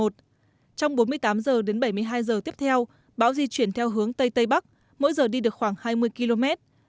trong bốn mươi tám h đến bảy mươi hai giờ tiếp theo bão di chuyển theo hướng tây tây bắc mỗi giờ đi được khoảng hai mươi km